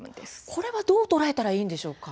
これはどう捉えたらいいんでしょうか。